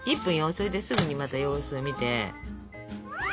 それですぐにまた様子を見て。